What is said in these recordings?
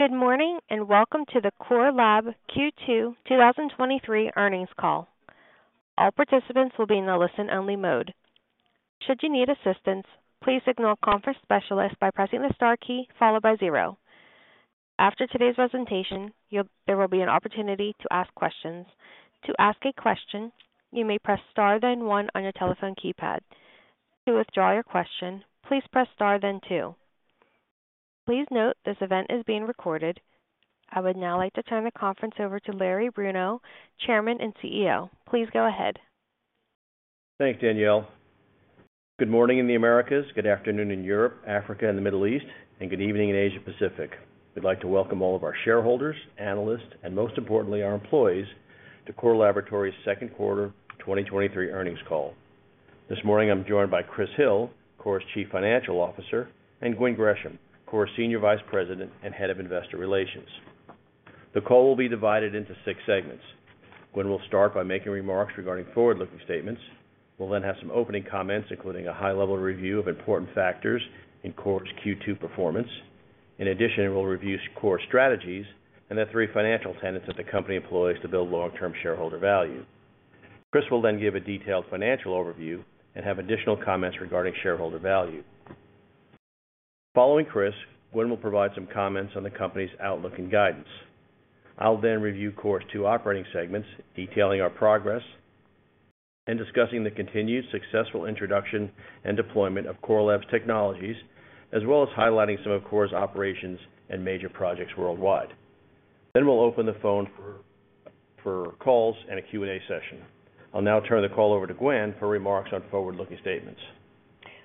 Good morning, welcome to the Core Lab Q Two 2023 earnings call. All participants will be in the listen-only mode. Should you need assistance, please signal a conference specialist by pressing the star key followed by zero. After today's presentation, there will be an opportunity to ask questions. To ask a question, you may press Star, then one on your telephone keypad. To withdraw your question, please press Star, then two. Please note, this event is being recorded. I would now like to turn the conference over to Larry Bruno, Chairman and CEO. Please go ahead. Thanks, Danielle. Good morning in the Americas, good afternoon in Europe, Africa, and the Middle East, and good evening in Asia Pacific. We'd like to welcome all of our shareholders, analysts, and most importantly, our employees, to Core Laboratories' second quarter 2023 earnings call. This morning, I'm joined by Chris Hill, Core's Chief Financial Officer, and Gwen Gresham, Core's Senior Vice President and Head of Investor Relations. The call will be divided into six segments. Gwen will start by making remarks regarding forward-looking statements. We'll then have some opening comments, including a high-level review of important factors in Core's Q2 performance. In addition, we'll review Core's strategies and the three financial tenets that the company employs to build long-term shareholder value. Chris will then give a detailed financial overview and have additional comments regarding shareholder value. Following Chris, Gwen will provide some comments on the company's outlook and guidance. I'll then review Core's two operating segments, detailing our progress and discussing the continued successful introduction and deployment of Core Lab's technologies, as well as highlighting some of Core's operations and major projects worldwide. We'll open the phone for calls and a Q&A session. I'll now turn the call over to Gwen for remarks on forward-looking statements.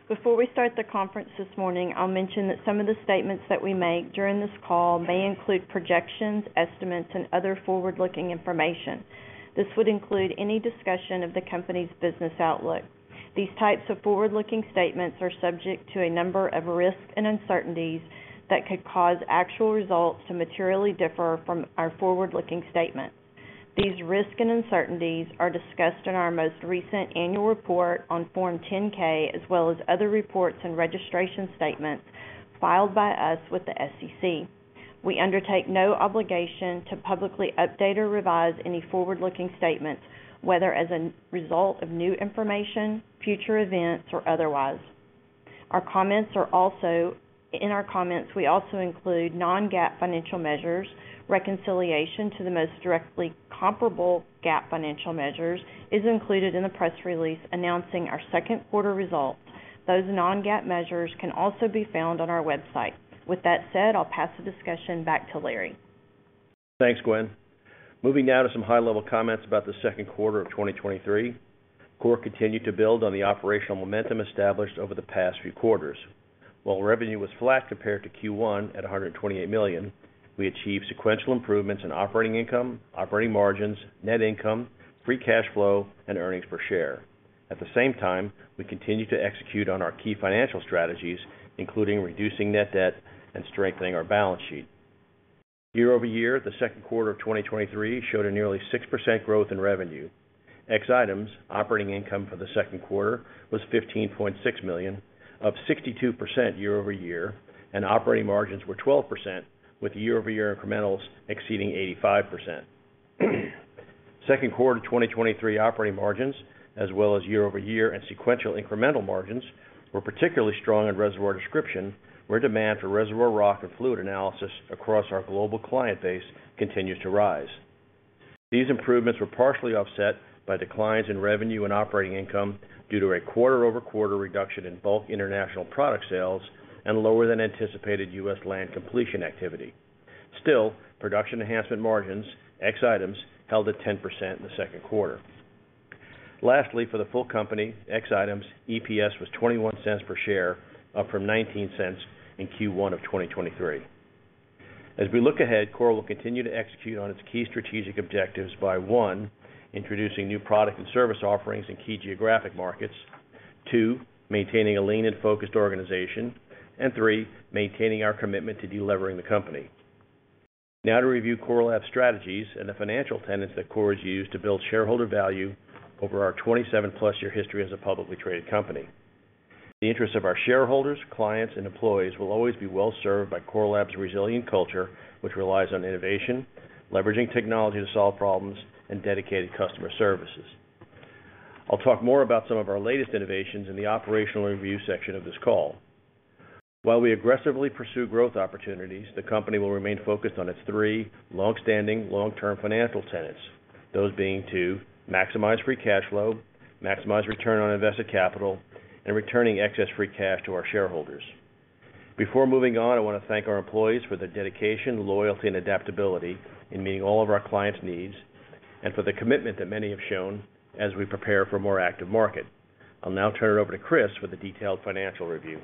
Before we start the conference this morning, I'll mention that some of the statements that we make during this call may include projections, estimates, and other forward-looking information. This would include any discussion of the company's business outlook. These types of forward-looking statements are subject to a number of risks and uncertainties that could cause actual results to materially differ from our forward-looking statements. These risks and uncertainties are discussed in our most recent annual report on Form 10-K, as well as other reports and registration statements filed by us with the SEC. We undertake no obligation to publicly update or revise any forward-looking statements, whether as a result of new information, future events, or otherwise. In our comments, we also include non-GAAP financial measures. Reconciliation to the most directly comparable GAAP financial measures is included in the press release announcing our second quarter results. Those non-GAAP measures can also be found on our website. With that said, I'll pass the discussion back to Larry. Thanks, Gwen. Moving now to some high-level comments about the second quarter of 2023. Core continued to build on the operational momentum established over the past few quarters. While revenue was flat compared to Q1 at $128 million, we achieved sequential improvements in operating income, operating margins, net income, free cash flow, and EPS. At the same time, we continued to execute on our key financial strategies, including reducing net debt and strengthening our balance sheet. YoY, the second quarter of 2023 showed a nearly 6% growth in revenue. Ex items, operating income for the second quarter was $15.6 million, up 62% YoY, and operating margins were 12%, with YoY incrementals exceeding 85%. Second quarter 2023 operating margins, as well as YoY and sequential incremental margins, were particularly strong in Reservoir Description, where demand for reservoir rock and fluid analysis across our global client base continues to rise. These improvements were partially offset by declines in revenue and operating income due to a QoQ reduction in bulk international product sales and lower than anticipated U.S. land completion activity. Still, Production Enhancement margins, ex items, held at 10% in the second quarter. Lastly, for the full company, ex items, EPS was $0.21 per share, up from $0.19 in Q1 of 2023. As we look ahead, Core Lab will continue to execute on its key strategic objectives by, one, introducing new product and service offerings in key geographic markets; two, maintaining a lean and focused organization; and three, maintaining our commitment to delevering the company. Now to review Core Lab's strategies and the financial tenets that Core has used to build shareholder value over our 27-plus-year history as a publicly traded company. The interests of our shareholders, clients, and employees will always be well served by Core Lab's resilient culture, which relies on innovation, leveraging technology to solve problems, and dedicated customer services. I'll talk more about some of our latest innovations in the operational review section of this call. While we aggressively pursue growth opportunities, the company will remain focused on its three long-standing, long-term financial tenets. Those being to maximize free cash flow, maximize return on invested capital, and returning excess free cash to our shareholders. Before moving on, I want to thank our employees for their dedication, loyalty, and adaptability in meeting all of our clients' needs and for the commitment that many have shown as we prepare for a more active market. I'll now turn it over to Chris for the detailed financial review.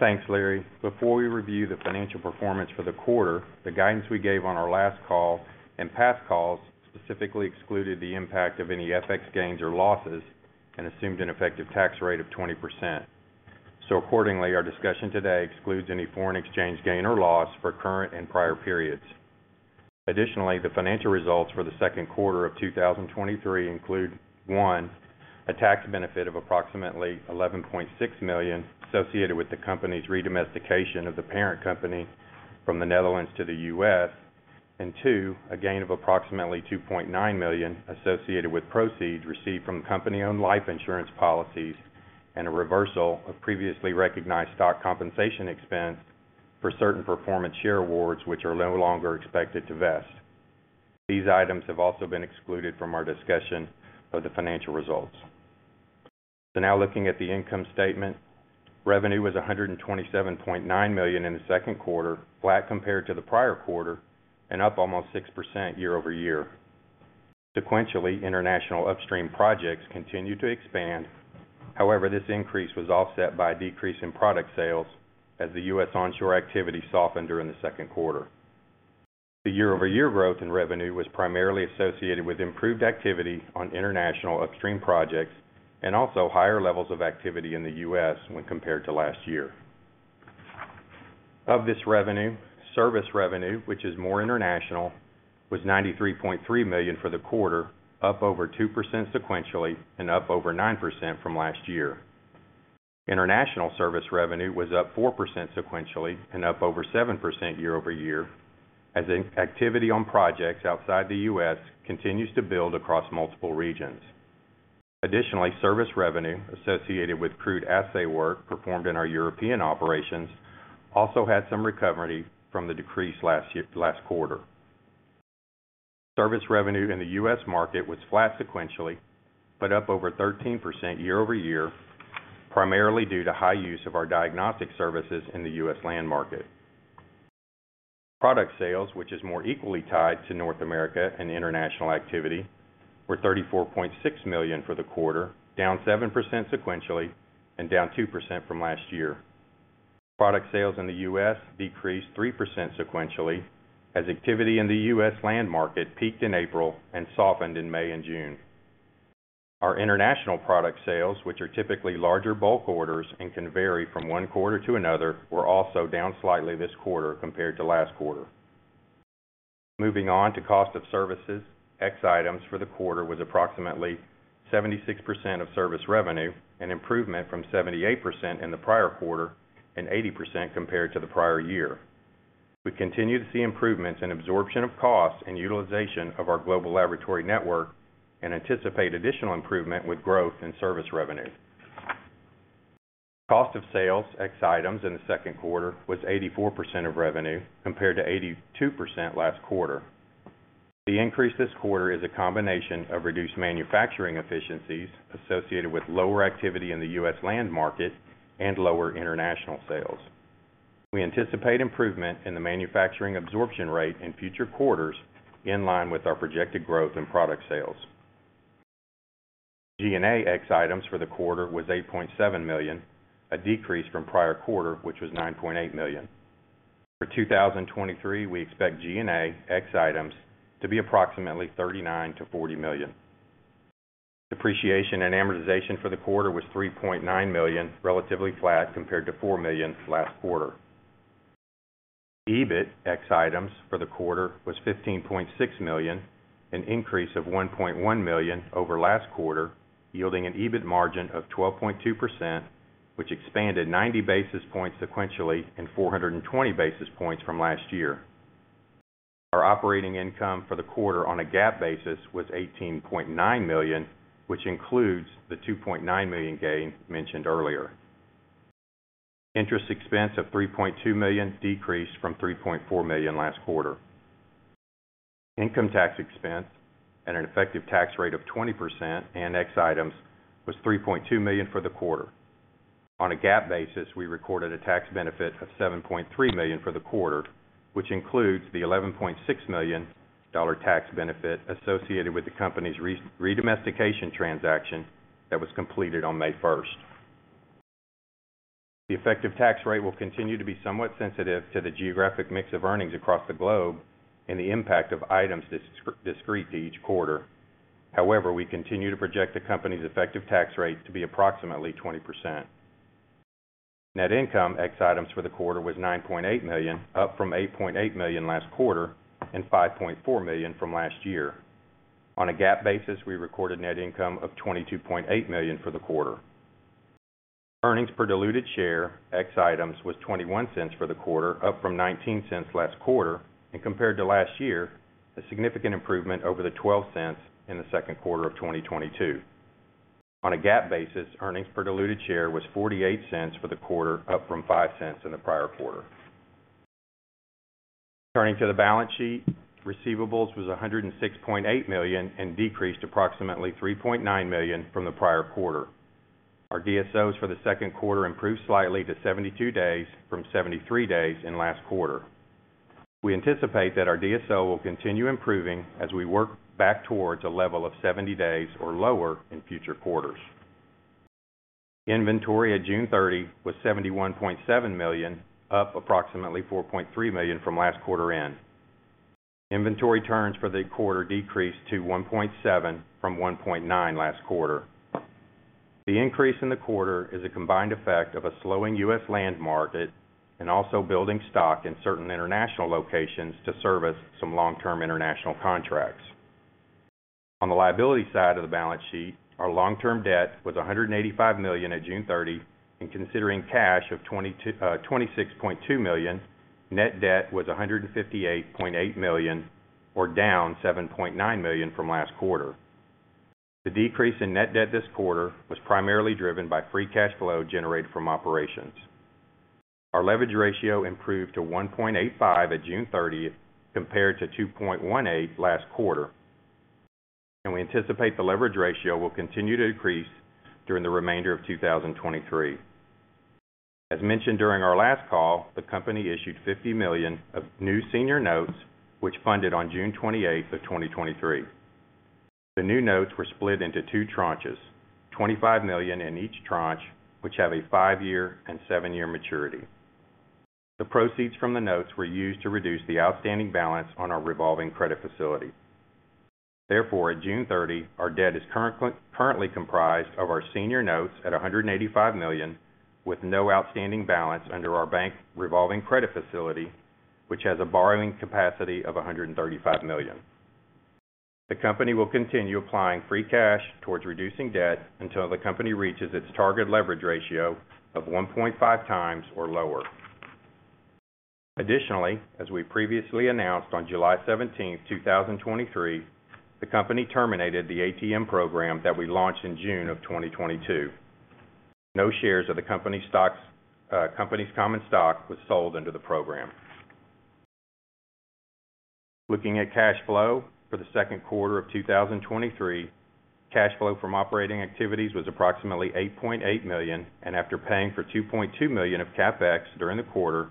Thanks, Larry. Before we review the financial performance for the quarter, the guidance we gave on our last call and past calls specifically excluded the impact of any FX gains or losses and assumed an effective tax rate of 20%. Accordingly, our discussion today excludes any foreign exchange gain or loss for current and prior periods. Additionally, the financial results for the second quarter of 2023 include, one, a tax benefit of approximately $11.6 million associated with the company's redomestication of the parent company from the Netherlands to the U.S., and two, a gain of approximately $2.9 million associated with proceeds received from company-owned life insurance policies and a reversal of previously recognized stock compensation expense for certain performance share awards, which are no longer expected to vest. These items have also been excluded from our discussion of the financial results. Now looking at the income statement. Revenue was $127.9 million in the second quarter, flat compared to the prior quarter and up almost 6% YoY. Sequentially, international upstream projects continued to expand. This increase was offset by a decrease in product sales as the U.S. onshore activity softened during the second quarter. The YoY growth in revenue was primarily associated with improved activity on international upstream projects and also higher levels of activity in the U.S. when compared to last year. Of this revenue, service revenue, which is more international, was $93.3 million for the quarter, up over 2% sequentially and up over 9% from last year. International service revenue was up 4% sequentially and up over 7% YoY, as activity on projects outside the U.S. continues to build across multiple regions. Service revenue associated with crude assay work performed in our European operations also had some recovery from the decrease last quarter. Service revenue in the U.S. market was flat sequentially, but up over 13% YoY, primarily due to high use of our diagnostic services in the U.S. land market. Product sales, which is more equally tied to North America and international activity, were $34.6 million for the quarter, down 7% sequentially and down 2% from last year. Product sales in the U.S. decreased 3% sequentially, as activity in the U.S. land market peaked in April and softened in May and June. Our international product sales, which are typically larger bulk orders and can vary from one quarter to another, were also down slightly this quarter compared to last quarter. Moving on to cost of services, ex items for the quarter was approximately 76% of service revenue, an improvement from 78% in the prior quarter and 80% compared to the prior year. We continue to see improvements in absorption of costs and utilization of our global laboratory network, and anticipate additional improvement with growth in service revenue. Cost of sales, ex items in the second quarter was 84% of revenue, compared to 82% last quarter. The increase this quarter is a combination of reduced manufacturing efficiencies associated with lower activity in the U.S. land market and lower international sales. We anticipate improvement in the manufacturing absorption rate in future quarters, in line with our projected growth in product sales. G&A ex items for the quarter was $8.7 million, a decrease from prior quarter, which was $9.8 million. For 2023, we expect G&A ex items to be approximately $39 million-$40 million. Depreciation and amortization for the quarter was $3.9 million, relatively flat compared to $4 million last quarter. EBIT ex items for the quarter was $15.6 million, an increase of $1.1 million over last quarter, yielding an EBIT margin of 12.2%, which expanded 90 basis points sequentially and 420 basis points from last year. Our operating income for the quarter on a GAAP basis was $18.9 million, which includes the $2.9 million gain mentioned earlier. Interest expense of $3.2 million decreased from $3.4 million last quarter. Income tax expense at an effective tax rate of 20% and ex items, was $3.2 million for the quarter. On a GAAP basis, we recorded a tax benefit of $7.3 million for the quarter, which includes the $11.6 million tax benefit associated with the company's redomestication transaction that was completed on May 1st. The effective tax rate will continue to be somewhat sensitive to the geographic mix of earnings across the globe and the impact of items discrete to each quarter. We continue to project the company's effective tax rate to be approximately 20%. Net income, ex items for the quarter was $9.8 million, up from $8.8 million last quarter and $5.4 million from last year. On a GAAP basis, we recorded net income of $22.8 million for the quarter. Earnings per diluted share, ex items, was 21 cents for the quarter, up from 19 cents last quarter, and compared to last year, a significant improvement over the 12 cents in the second quarter of 2022. On a GAAP basis, earnings per diluted share was 48 cents for the quarter, up from five cents in the prior quarter. Turning to the balance sheet, receivables was $106.8 million and decreased approximately $3.9 million from the prior quarter. Our DSOs for the second quarter improved slightly to 72 days from 73 days in last quarter. We anticipate that our DSO will continue improving as we work back towards a level of 70 days or lower in future quarters. Inventory at June 30 was $71.7 million, up approximately $4.3 million from last quarter end. Inventory turns for the quarter decreased to 1.7 from 1.9 last quarter. The increase in the quarter is a combined effect of a slowing U.S. land market and also building stock in certain international locations to service some long-term international contracts. On the liability side of the balance sheet, our long-term debt was $185 million at June 30, and considering cash of $26.2 million, net debt was $158.8 million, or down $7.9 million from last quarter. The decrease in net debt this quarter was primarily driven by free cash flow generated from operations. Our leverage ratio improved to 1.85 at June 30th, compared to 2.18 last quarter, and we anticipate the leverage ratio will continue to decrease during the remainder of 2023. As mentioned during our last call, the company issued $50 million of new senior notes, which funded on June 28, 2023. The new notes were split into two tranches, $25 million in each tranche, which have a five-year and 7-year maturity. The proceeds from the notes were used to reduce the outstanding balance on our revolving credit facility. At June 30, our debt is currently comprised of our senior notes at $185 million, with no outstanding balance under our bank revolving credit facility, which has a borrowing capacity of $135 million. The company will continue applying free cash towards reducing debt until the company reaches its target leverage ratio of 1.5x or lower. Additionally, as we previously announced on July 17, 2023, the company terminated the ATM program that we launched in June of 2022. No shares of the company's common stock was sold under the program. Looking at cash flow for the second quarter of 2023, cash flow from operating activities was approximately $8.8 million. After paying for $2.2 million of CapEx during the quarter,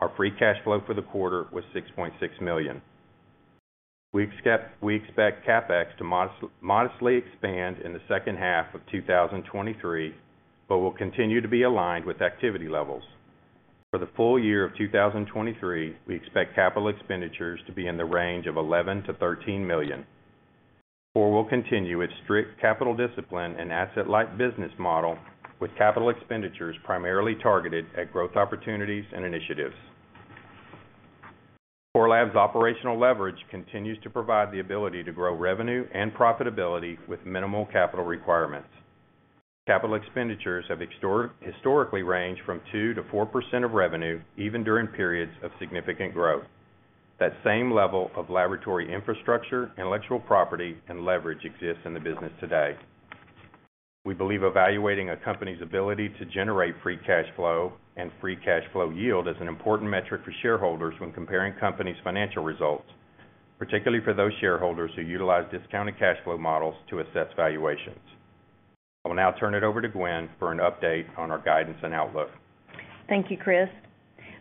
our free cash flow for the quarter was $6.6 million. We expect CapEx to modestly expand in the second half of 2023, will continue to be aligned with activity levels. For the full year of 2023, we expect capital expenditures to be in the range of $11 million-$13 million. Core will continue its strict capital discipline and asset-light business model, with capital expenditures primarily targeted at growth opportunities and initiatives. Core Lab's operational leverage continues to provide the ability to grow revenue and profitability with minimal capital requirements. Capital expenditures have historically ranged from 2%-4% of revenue, even during periods of significant growth. That same level of laboratory infrastructure, intellectual property, and leverage exists in the business today. We believe evaluating a company's ability to generate free cash flow and free cash flow yield is an important metric for shareholders when comparing companies' financial results, particularly for those shareholders who utilize discounted cash flow models to assess valuations. I will now turn it over to Gwen for an update on our guidance and outlook. Thank you, Chris.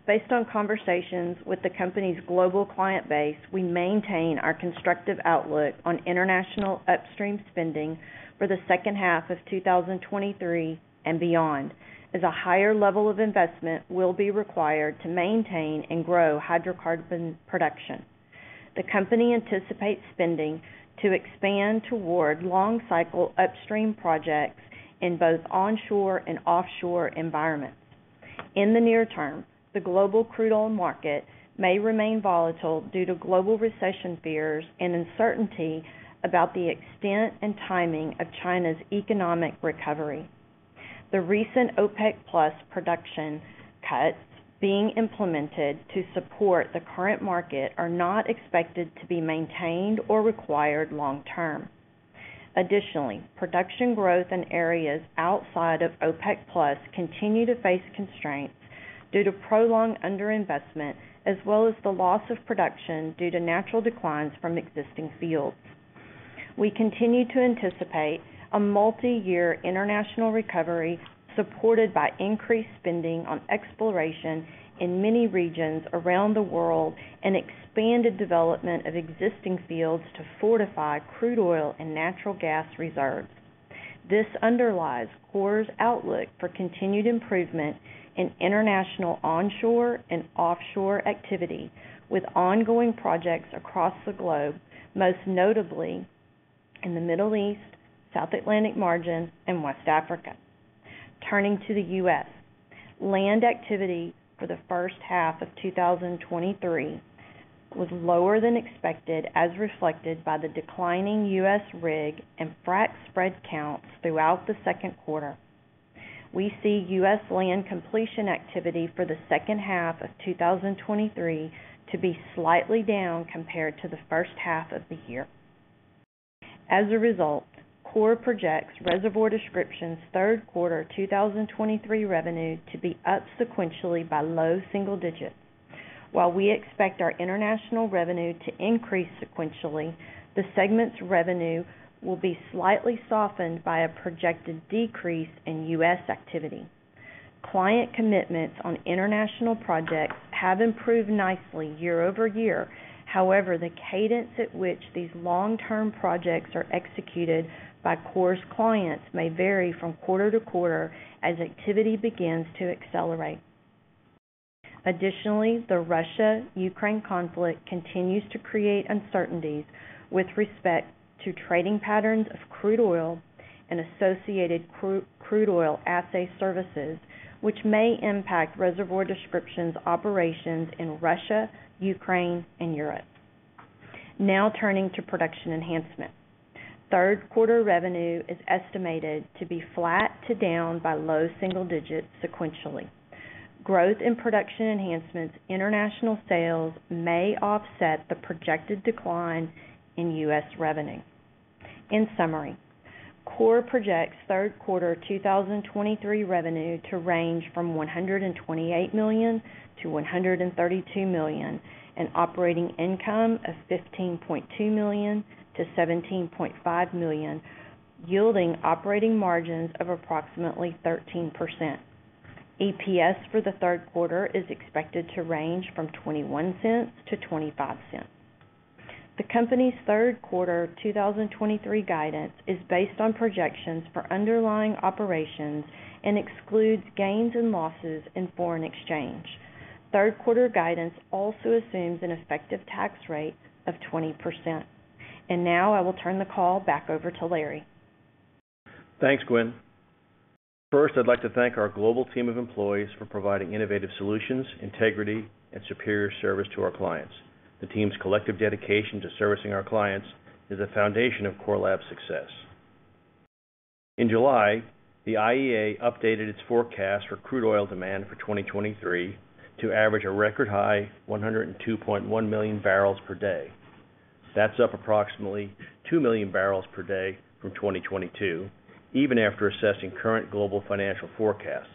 Based on conversations with the company's global client base, we maintain our constructive outlook on international upstream spending for the second half of 2023 and beyond, as a higher level of investment will be required to maintain and grow hydrocarbon production. The company anticipates spending to expand toward long-cycle upstream projects in both onshore and offshore environments. In the near term, the global crude oil market may remain volatile due to global recession fears and uncertainty about the extent and timing of China's economic recovery. The recent OPEC+ production cuts being implemented to support the current market are not expected to be maintained or required long term. Additionally, production growth in areas outside of OPEC+ continue to face constraints due to prolonged underinvestment, as well as the loss of production due to natural declines from existing fields. We continue to anticipate a multiyear international recovery, supported by increased spending on exploration in many regions around the world, and expanded development of existing fields to fortify crude oil and natural gas reserves. This underlies Core's outlook for continued improvement in international onshore and offshore activity, with ongoing projects across the globe, most notably in the Middle East, South Atlantic Margin, and West Africa. Turning to the U.S., land activity for the first half of 2023 was lower than expected, as reflected by the declining U.S. rig and frac spread counts throughout the second quarter. We see U.S. land completion activity for the second half of 2023 to be slightly down compared to the first half of the year. As a result, Core projects reservoir descriptions third quarter 2023 revenue to be up sequentially by low single digits. While we expect our international revenue to increase sequentially, the segment's revenue will be slightly softened by a projected decrease in U.S. activity. Client commitments on international projects have improved nicely YoY. The cadence at which these long-term projects are executed by Core's clients may vary from quarter to quarter as activity begins to accelerate. The Russia-Ukraine conflict continues to create uncertainties with respect to trading patterns of crude oil and associated crude oil assay services, which may impact Reservoir Description operations in Russia, Ukraine, and Europe. Turning to Production Enhancement. Third quarter revenue is estimated to be flat to down by low single digits sequentially. Growth in Production Enhancement, international sales may offset the projected decline in U.S. revenue. In summary, Core projects third quarter 2023 revenue to range from $128 million-$132 million, and operating income of $15.2 million-$17.5 million, yielding operating margins of approximately 13%. EPS for the third quarter is expected to range from $0.21-$0.25. The company's third quarter 2023 guidance is based on projections for underlying operations and excludes gains and losses in foreign exchange. Third quarter guidance also assumes an effective tax rate of 20%. Now I will turn the call back over to Larry. Thanks, Gwen. First, I'd like to thank our global team of employees for providing innovative solutions, integrity, and superior service to our clients. The team's collective dedication to servicing our clients is a foundation of Core Lab's success. In July, the IEA updated its forecast for crude oil demand for 2023 to average a record high 102.1 million barrels per day. That's up approximately two million barrels per day from 2022, even after assessing current global financial forecasts.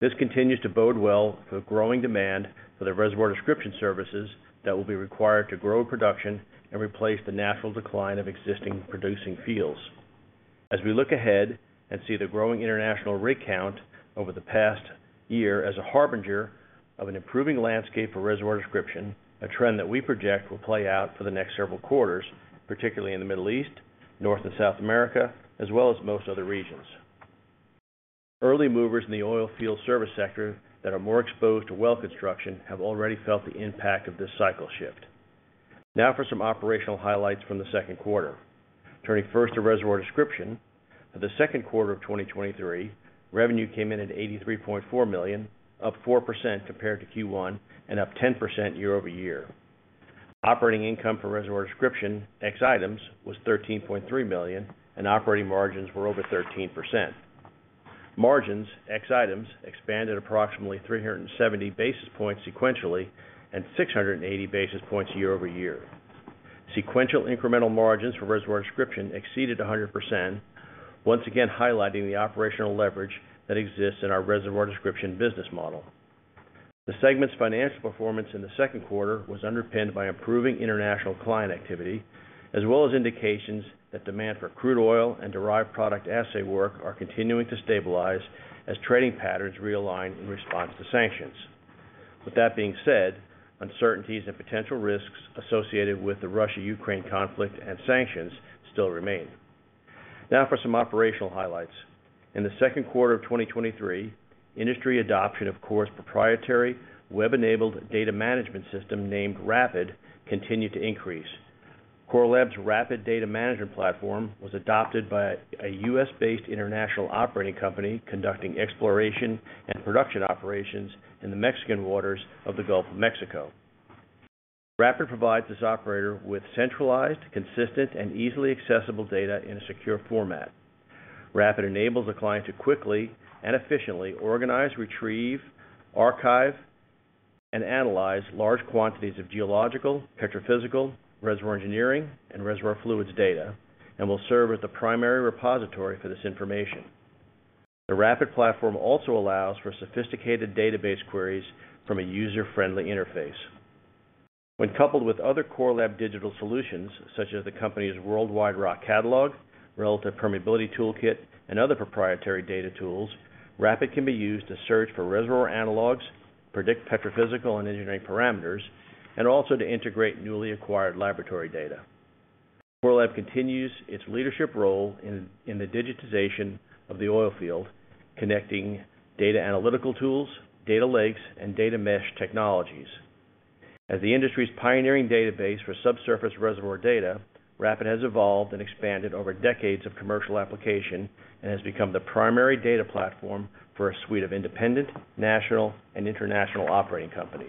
This continues to bode well for the growing demand for the Reservoir Description services that will be required to grow production and replace the natural decline of existing producing fields. We look ahead and see the growing international rig count over the past year as a harbinger of an improving landscape for reservoir description, a trend that we project will play out for the next several quarters, particularly in the Middle East, North and South America, as well as most other regions. Early movers in the oil field service sector that are more exposed to well construction, have already felt the impact of this cycle shift. For some operational highlights from the second quarter. Turning first to Reservoir Description. For the second quarter of 2023, revenue came in at $83.4 million, up 4% compared to Q1 and up 10% YoY. Operating income for Reservoir Description ex items was $13.3 million, and operating margins were over 13%. Margins, ex items, expanded approximately 370 basis points sequentially and 680 basis points YoY. Sequential incremental margins for Reservoir Description exceeded 100%, once again, highlighting the operational leverage that exists in our Reservoir Description business model. The segment's financial performance in the second quarter was underpinned by improving international client activity, as well as indications that demand for crude oil and derived product assay work are continuing to stabilize as trading patterns realign in response to sanctions. With that being said, uncertainties and potential risks associated with the Russia-Ukraine conflict and sanctions still remain. Now for some operational highlights. In the second quarter of 2023, industry adoption, of course, proprietary, web-enabled data management system named RAPID, continued to increase. Core Lab's RAPID data management platform was adopted by a U.S.-based international operating company conducting exploration and production operations in the Mexican waters of the Gulf of Mexico. RAPID provides this operator with centralized, consistent, and easily accessible data in a secure format. RAPID enables the client to quickly and efficiently organize, retrieve, archive, and analyze large quantities of geological, petrophysical, reservoir engineering, and reservoir fluids data, and will serve as the primary repository for this information. The RAPID platform also allows for sophisticated database queries from a user-friendly interface. When coupled with other Core Lab digital solutions, such as the company's Worldwide Rock Catalog, Relative Permeability Toolkit, and other proprietary data tools, RAPID can be used to search for reservoir analogues, predict petrophysical and engineering parameters, and also to integrate newly acquired laboratory data. Core Lab continues its leadership role in the digitization of the oil field, connecting data analytical tools, data lakes, and data mesh technologies. As the industry's pioneering database for subsurface reservoir data, RAPID has evolved and expanded over decades of commercial application and has become the primary data platform for a suite of independent, national, and international operating companies.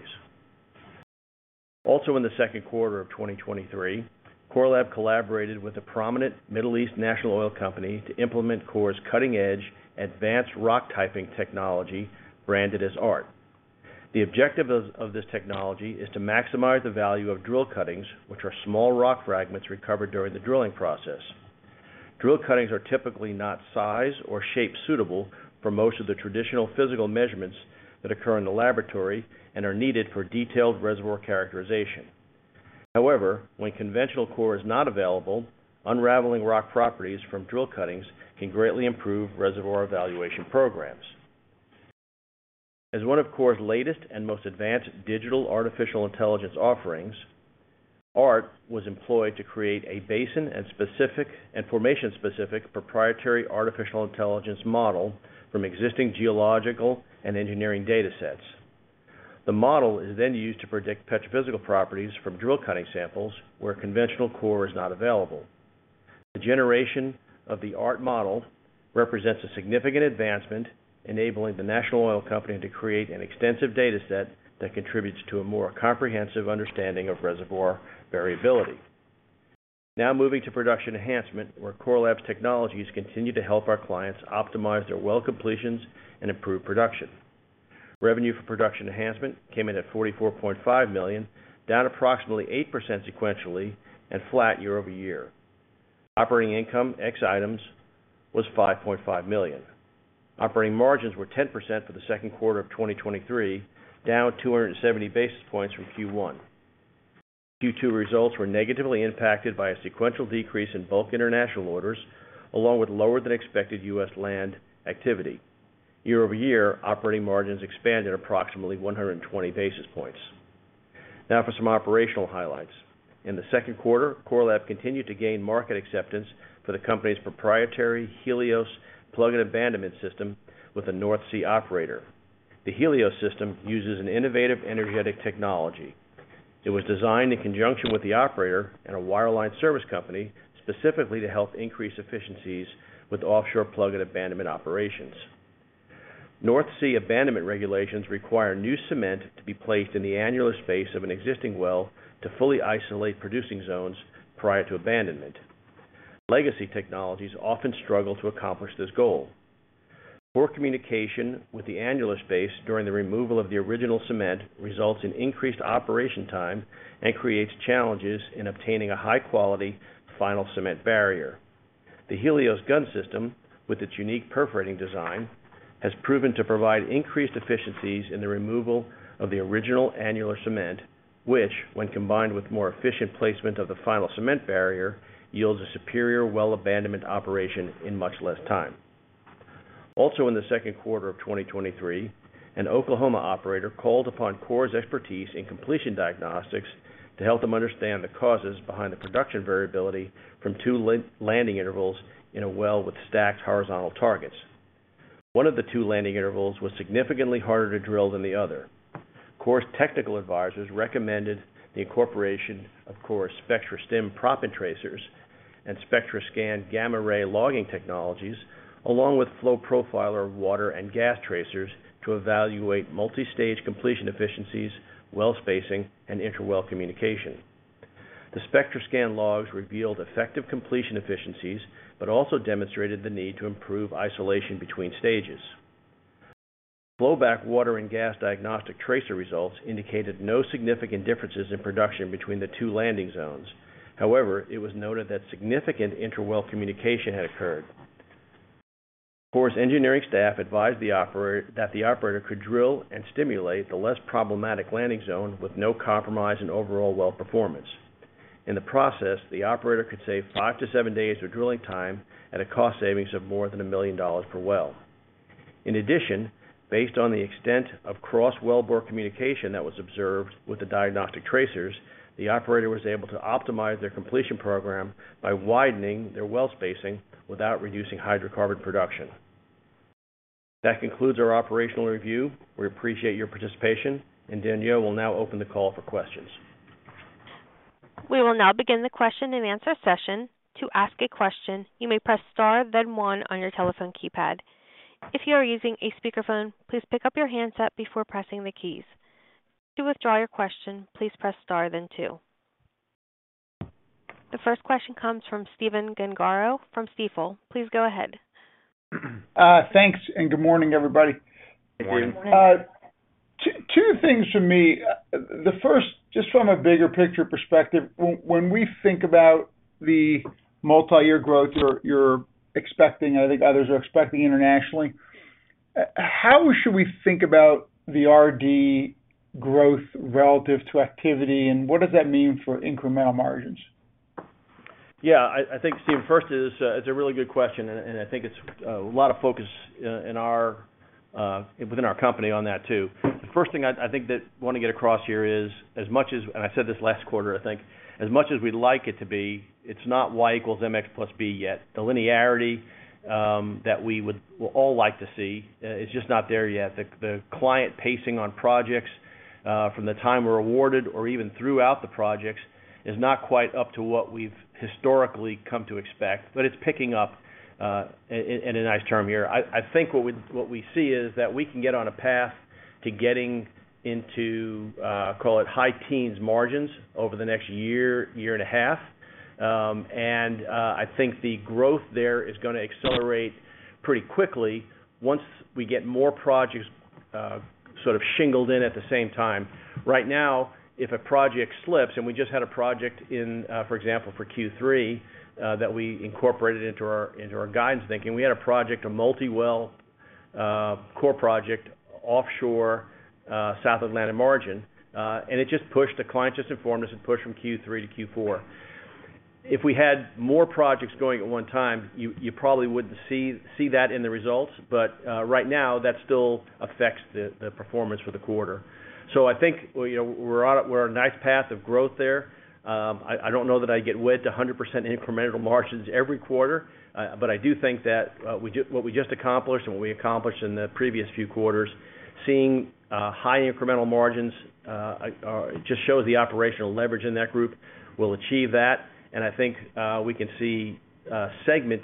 Also in the second quarter of 2023, Core Lab collaborated with a prominent Middle East national oil company to implement Core's cutting-edge Advanced Rock Typing technology, branded as ART. The objective of this technology is to maximize the value of drill cuttings, which are small rock fragments recovered during the drilling process. Drill cuttings are typically not size or shape suitable for most of the traditional physical measurements that occur in the laboratory and are needed for detailed reservoir characterization. When conventional core is not available, unraveling rock properties from drill cuttings can greatly improve reservoir evaluation programs. As one of Core's latest and most advanced digital artificial intelligence offerings, ART was employed to create a basin and formation-specific proprietary artificial intelligence model from existing geological and engineering data sets. The model is used to predict petrophysical properties from drill cutting samples where conventional core is not available. The generation of the ART model represents a significant advancement, enabling the national oil company to create an extensive data set that contributes to a more comprehensive understanding of reservoir variability. Moving to Production Enhancement, where Core Lab's technologies continue to help our clients optimize their well completions and improve production. Revenue for Production Enhancement came in at $44.5 million, down approximately 8% sequentially and flat YoY. Operating income, ex items, was $5.5 million. Operating margins were 10% for the second quarter of 2023, down 270 basis points from Q1. Q2 results were negatively impacted by a sequential decrease in bulk international orders, along with lower than expected U.S. land activity. YoY, operating margins expanded approximately 120 basis points. For some operational highlights. In the second quarter, Core Lab continued to gain market acceptance for the company's proprietary HELIOS plug and abandonment system with a North Sea operator. The HELIOS system uses an innovative energetic technology. It was designed in conjunction with the operator and a wireline service company, specifically to help increase efficiencies with offshore plug and abandonment operations. North Sea abandonment regulations require new cement to be placed in the annular space of an existing well to fully isolate producing zones prior to abandonment. Legacy technologies often struggle to accomplish this goal. Poor communication with the annular space during the removal of the original cement results in increased operation time and creates challenges in obtaining a high-quality final cement barrier. The HELIOS gun system, with its unique perforating design, has proven to provide increased efficiencies in the removal of the original annular cement, which, when combined with more efficient placement of the final cement barrier, yields a superior well abandonment operation in much less time. In the second quarter of 2023, an Oklahoma operator called upon Core's expertise in completion diagnostics to help them understand the causes behind the production variability from two land-landing intervals in a well with stacked horizontal targets. One of the two landing intervals was significantly harder to drill than the other. Core's technical advisors recommended the incorporation of Core's SpectraStim proppant tracers and SpectraScan gamma ray logging technologies, along with FlowProfiler, water, and gas tracers to evaluate multi-stage completion efficiencies, well spacing, and inter well communication. The SpectraScan logs revealed effective completion efficiencies, also demonstrated the need to improve isolation between stages. Flowback water and gas diagnostic tracer results indicated no significant differences in production between the two landing zones. It was noted that significant inter well communication had occurred. Core's engineering staff advised the operator that the operator could drill and stimulate the less problematic landing zone with no compromise in overall well performance. In the process, the operator could save 5-7 days of drilling time at a cost savings of more than $1 million per well. In addition, based on the extent of cross wellbore communication that was observed with the diagnostic tracers, the operator was able to optimize their completion program by widening their well spacing without reducing hydrocarbon production. That concludes our operational review. We appreciate your participation. Danielle will now open the call for questions. We will now begin the question-and-answer session. To ask a question, you may press Star, then one on your telephone keypad. If you are using a speakerphone, please pick up your handset before pressing the keys. To withdraw your question, please press Star, then two. The first question comes from Stephen Gengaro from Stifel. Please go ahead. Thanks, good morning, everybody. Good morning. Two things from me. The first, just from a bigger picture perspective, when we think about the multiyear growth you're expecting, and I think others are expecting internationally, how should we think about the RD growth relative to activity, and what does that mean for incremental margins? Yeah, I think, Steve, first is, it's a really good question, and I think it's a lot of focus within our company on that, too. The first thing I think that I wanna get across here is, as much as, and I said this last quarter, I think, as much as we'd like it to be, it's not y = mx + b yet. The linearity that we would all like to see is just not there yet. The client pacing on projects from the time we're awarded or even throughout the projects, is not quite up to what we've historically come to expect, but it's picking up in a nice term here. I think what we see is that we can get on a path to getting into, call it high teens margins over the next year, year and a half. I think the growth there is gonna accelerate pretty quickly once we get more projects, sort of shingled in at the same time. Right now, if a project slips, and we just had a project in, for example, for Q3, that we incorporated into our guidance thinking. We had a project, a multi-well, core project, offshore, South Atlantic Margin. The client just informed us and pushed from Q3 to Q4. If we had more projects going at one time, you probably wouldn't see that in the results. Right now, that still affects the performance for the quarter. I think, we, you know, we're on a nice path of growth there. I don't know that I get wed to 100% incremental margins every quarter. I do think that what we just accomplished and what we accomplished in the previous few quarters, seeing high incremental margins, just shows the operational leverage in that group will achieve that. I think we can see segment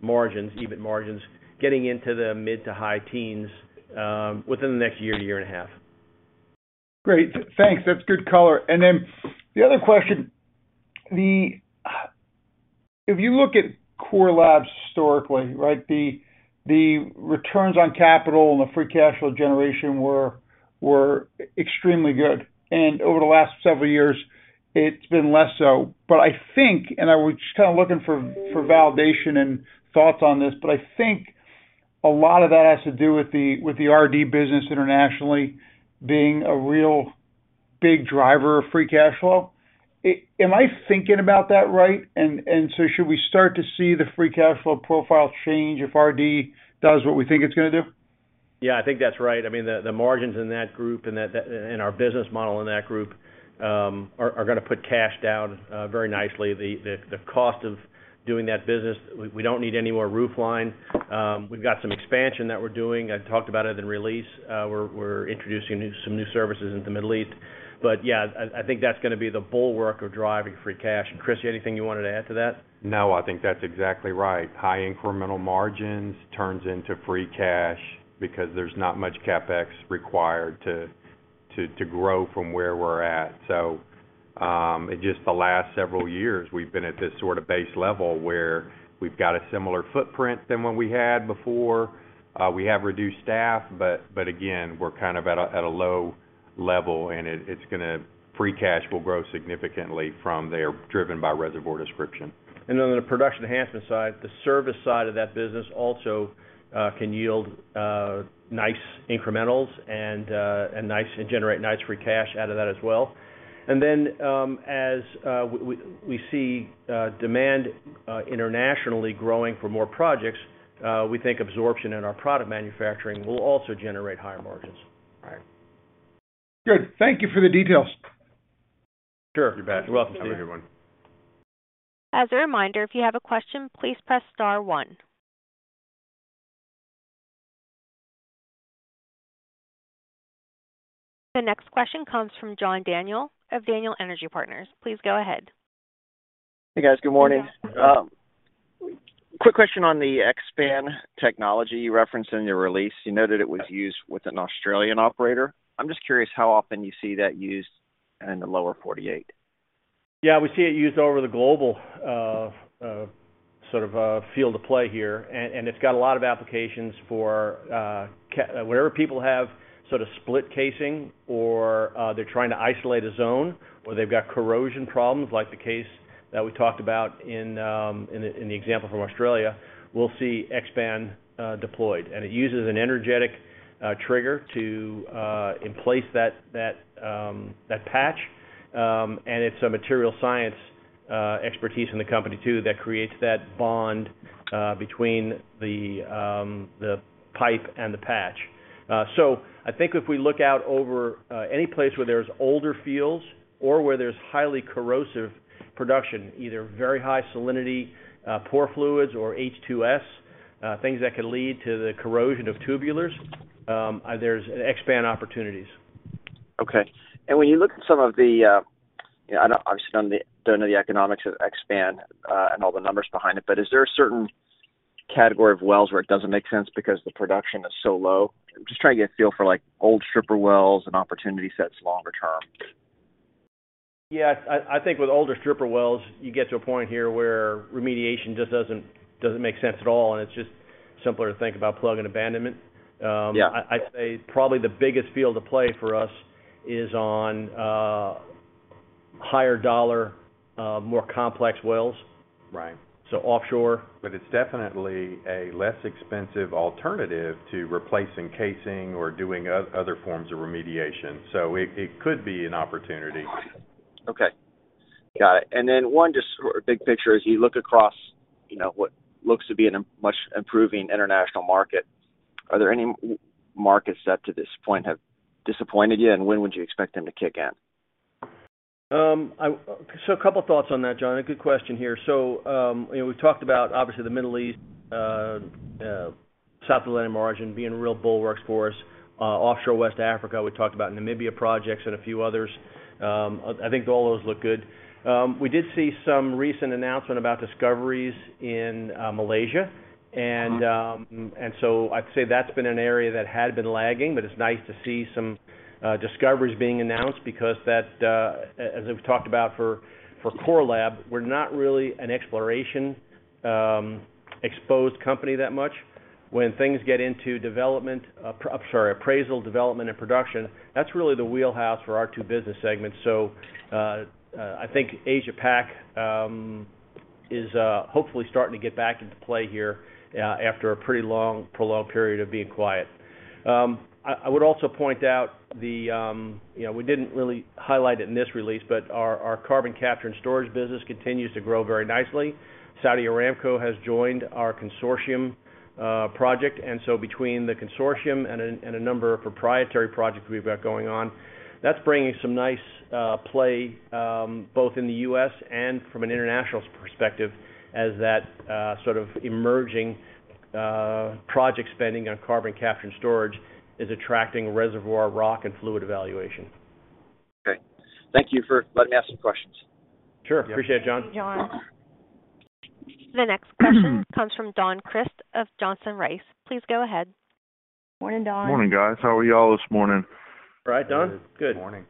margins, EBIT margins, getting into the mid to high teens within the next year to year and a half. Great. Thanks. That's good color. The other question, if you look at Core Lab historically, right, the returns on capital and the free cash flow generation were extremely good, and over the last several years, it's been less so. I think, and I was just kind of looking for validation and thoughts on this, but I think a lot of that has to do with the RD business internationally being a real big driver of free cash flow. Am I thinking about that right? Should we start to see the free cash flow profile change if RD does what we think it's gonna do? Yeah, I think that's right. I mean, the margins in that group and that, and our business model in that group are gonna put cash down very nicely. The cost of doing that business, we don't need any more roofline. We've got some expansion that we're doing. I talked about it in the release. We're introducing some new services in the Middle East. Yeah, I think that's gonna be the bulwark of driving free cash. Chris, anything you wanted to add to that? No, I think that's exactly right. High incremental margins turns into free cash because there's not much CapEx required to grow from where we're at. In just the last several years, we've been at this sort of base level where we've got a similar footprint than what we had before. We have reduced staff, but again, we're kind of at a, at a low level, and free cash will grow significantly from there, driven by Reservoir Description. On the Production Enhancement side, the service side of that business also can yield nice incrementals and generate nice free cash out of that as well. As we see demand internationally growing for more projects, we think absorption in our product manufacturing will also generate higher margins. Right. Good. Thank you for the details. Sure. You're bet. You're welcome. Have a good one. As a reminder, if you have a question, please press star one. The next question comes from John Daniel of Daniel Energy Partners. Please go ahead. Hey, guys, good morning. Good morning. Hi. Quick question on the X-SPAN technology you referenced in your release. You noted it was used with an Australian operator. I'm just curious how often you see that used in the lower forty-eight. Yeah, we see it used over the global sort of field of play here, and it's got a lot of applications for wherever people have sort of split casing or they're trying to isolate a zone, or they've got corrosion problems, like the case that we talked about in the example from Australia, we'll see X-SPAN deployed. It uses an energetic trigger to emplace that patch, and it's a material science expertise in the company, too, that creates that bond between the pipe and the patch. I think if we look out over any place where there's older fields or where there's highly corrosive production, either very high salinity, poor fluids or H2S, things that could lead to the corrosion of tubulars, there's X-SPAN opportunities. Okay. When you look at some of the, I know, obviously, don't know the, don't know the economics of X-SPAN, and all the numbers behind it, but is there a certain category of wells where it doesn't make sense because the production is so low? I'm just trying to get a feel for, like, old stripper wells and opportunity sets longer term. Yeah, I think with older stripper wells, you get to a point here where remediation just doesn't make sense at all. It's just simpler to think about plug and abandonment. Yeah. I, I'd say probably the biggest field to play for us is on higher dollar, more complex wells. Right. offshore. It's definitely a less expensive alternative to replacing casing or doing other forms of remediation, so it could be an opportunity. Okay, got it. One, just sort of big picture, as you look across, you know, what looks to be a much improving international market, are there any markets that, to this point, have disappointed you, and when would you expect them to kick in? A couple thoughts on that, John. A good question here. You know, we've talked about, obviously, the Middle East, South Atlantic Margin being real bulwarks for us, offshore West Africa. We talked about Namibia projects and a few others. I think all those look good. We did see some recent announcement about discoveries in Malaysia. Uh-huh. I'd say that's been an area that had been lagging, but it's nice to see some discoveries being announced because that, as I've talked about for Core Lab, we're not really an exploration exposed company that much. When things get into development, sorry, appraisal, development, and production, that's really the wheelhouse for our two business segments. I think Asia Pac is hopefully starting to get back into play here after a pretty long, prolonged period of being quiet. I would also point out the, you know, we didn't really highlight it in this release, but our carbon capture and storage business continues to grow very nicely. Saudi Aramco has joined our consortium, project, and so between the consortium and a number of proprietary projects we've got going on, that's bringing some nice play, both in the U.S. and from an international perspective, as that sort of emerging project spending on carbon capture and storage is attracting reservoir rock and fluid evaluation. Okay. Thank you for letting me ask some questions. Sure. Appreciate it, John. Thank you, John. The next question comes from Don Crist of Johnson Rice. Please go ahead. Morning, Don. Morning, guys. How are you all this morning? Right, Don? Good. Morning.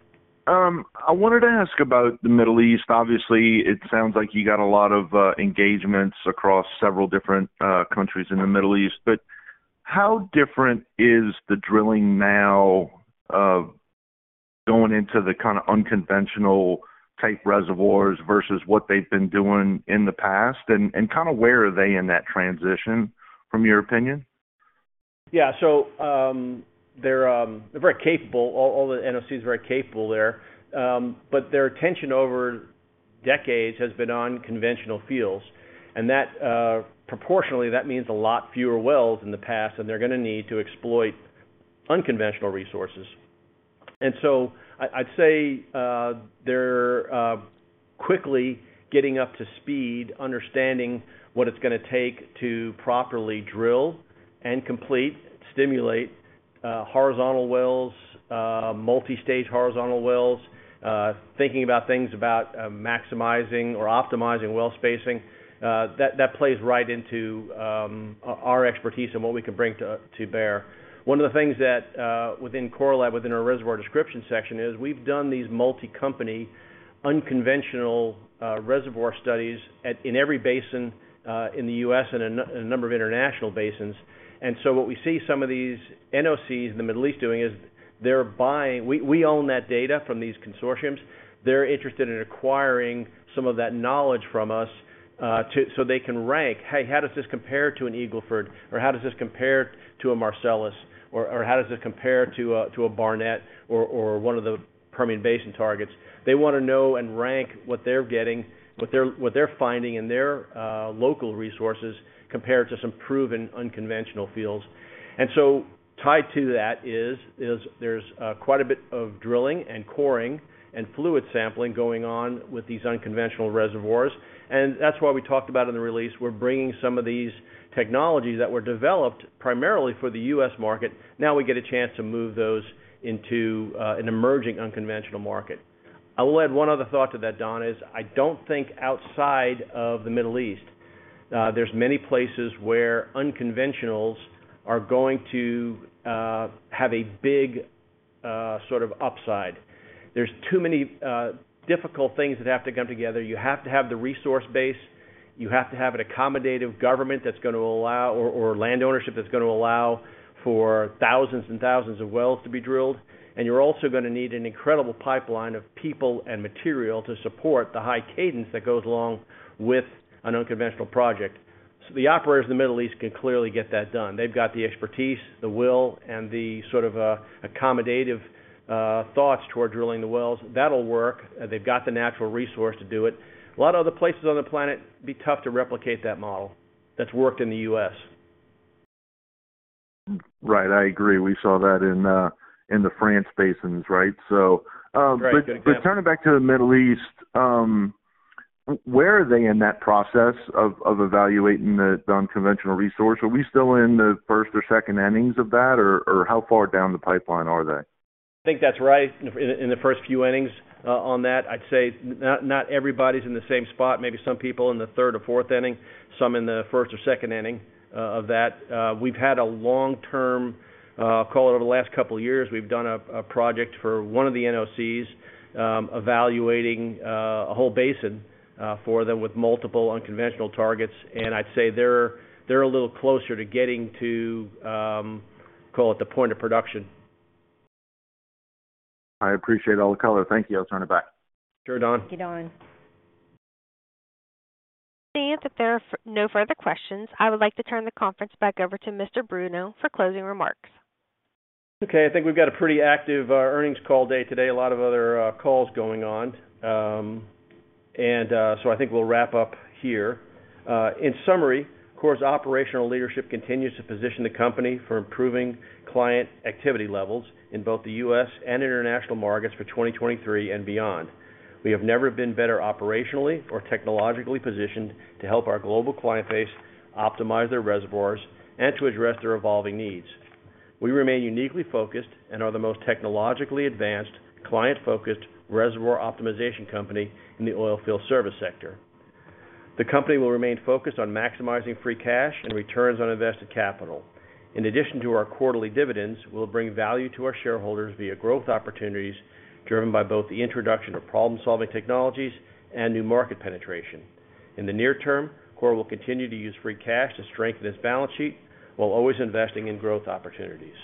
I wanted to ask about the Middle East. Obviously, it sounds like you got a lot of engagements across several different countries in the Middle East. How different is the drilling now of going into the kinda unconventional-type reservoirs versus what they've been doing in the past? Kinda where are they in that transition, from your opinion? Yeah. They're very capable. All the NOCs are very capable there. Their attention over decades has been on conventional fields, that proportionally, that means a lot fewer wells in the past, they're gonna need to exploit unconventional resources. I'd say, they're quickly getting up to speed, understanding what it's gonna take to properly drill and complete, stimulate, horizontal wells, multi-stage horizontal wells, thinking about things about maximizing or optimizing well spacing, that plays right into our expertise and what we can bring to bear. One of the things that within Core Lab, within our Reservoir Description section is, we've done these multi-company, unconventional, reservoir studies in every basin in the U.S. and in a number of international basins. What we see some of these NOCs in the Middle East doing is they're buying. We own that data from these consortiums. They're interested in acquiring some of that knowledge from us so they can rank, "Hey, how does this compare to an Eagle Ford? Or how does this compare to a Marcellus? Or how does this compare to a Barnett or one of the Permian Basin targets?" They wanna know and rank what they're getting, what they're finding in their local resources compared to some proven unconventional fields. Tied to that is, there's quite a bit of drilling and coring and fluid sampling going on with these unconventional reservoirs, and that's why we talked about in the release, we're bringing some of these technologies that were developed primarily for the U.S. market. Now we get a chance to move those into an emerging unconventional market. I will add one other thought to that, Don, is I don't think outside of the Middle East there's many places where unconventionals are going to have a big sort of upside. There's too many difficult things that have to come together. You have to have the resource base, you have to have an accommodative government that's going to allow or land ownership that's going to allow for thousands and thousands of wells to be drilled, you're also going to need an incredible pipeline of people and material to support the high cadence that goes along with an unconventional project. The operators in the Middle East can clearly get that done. They've got the expertise, the will, and the sort of accommodative thoughts toward drilling the wells. That'll work. They've got the natural resource to do it. A lot of other places on the planet, be tough to replicate that model that's worked in the U.S.. Right, I agree. We saw that in the Frasnian basins, right? Right. Turning back to the Middle East, where are they in that process of evaluating the unconventional resource? Are we still in the first or second innings of that, or how far down the pipeline are they? I think that's right, in the, in the first few innings, on that. I'd say not everybody's in the same spot. Maybe some people in the third or fourth inning, some in the first or second inning, of that. We've had a long-term, call it over the last couple of years, we've done a, a project for one of the NOCs, evaluating, a whole basin, for them with multiple unconventional targets, and I'd say they're a little closer to getting to, call it the point of production. I appreciate all the color. Thank you. I'll turn it back. Sure, Don. Thank you, Don. Seeing that there are no further questions, I would like to turn the conference back over to Larry Bruno for closing remarks. Okay. I think we've got a pretty active earnings call day today, a lot of other calls going on. I think we'll wrap up here. In summary, Core's operational leadership continues to position the company for improving client activity levels in both the U.S. and international markets for 2023 and beyond. We have never been better operationally or technologically positioned to help our global client base optimize their reservoirs and to address their evolving needs. We remain uniquely focused and are the most technologically advanced, client-focused, reservoir optimization company in the oilfield service sector. The company will remain focused on maximizing free cash and returns on invested capital. In addition to our quarterly dividends, we'll bring value to our shareholders via growth opportunities, driven by both the introduction of problem-solving technologies and new market penetration. In the near term, Core will continue to use free cash to strengthen its balance sheet, while always investing in growth opportunities.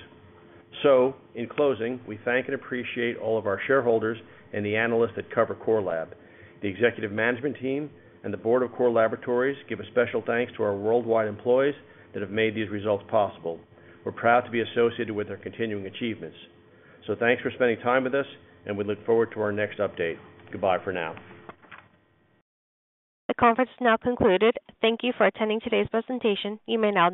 In closing, we thank and appreciate all of our shareholders and the analysts that cover Core Lab. The executive management team and the board of Core Laboratories give a special thanks to our worldwide employees that have made these results possible. We're proud to be associated with their continuing achievements. Thanks for spending time with us, and we look forward to our next update. Goodbye for now. The conference is now concluded. Thank you for attending today's presentation. You may now disconnect.